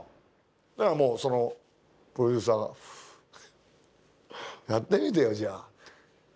だからもうそのプロデューサーが「ふっフフッやってみてよじゃあ」って。